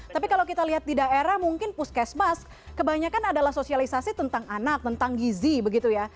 tapi kalau kita lihat di daerah mungkin puskesmas kebanyakan adalah sosialisasi tentang anak tentang gizi begitu ya